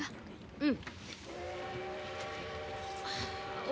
うん。